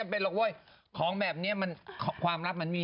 เป็นยังไงล่ะโอ๊ยภาพครองอะไร